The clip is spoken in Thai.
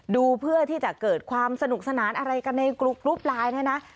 ดูเพื่อที่จะเกิดความสนุกสนานอะไรกันในกรุ๊ปไลน์เนี่ยนะ